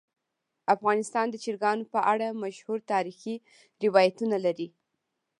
افغانستان د چرګانو په اړه مشهور تاریخی روایتونه لري.